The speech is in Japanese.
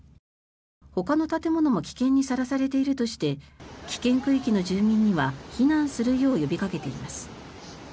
ほかの建物も危険にさらされているとして危険区域の住民には避難するよう呼びかけています。